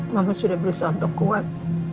mama sudah berusaha untuk kuat